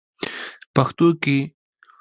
پښتو کې: